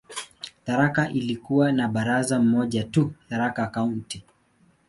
Tharaka ilikuwa na baraza moja tu, "Tharaka County".